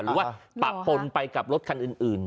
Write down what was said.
หรือว่าปะปนไปกับรถคันอื่น